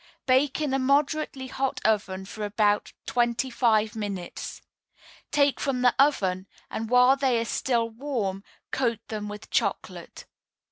Bake in a moderately hot oven for about twenty five minutes. Take from the oven, and while they are still warm coat them with chocolate.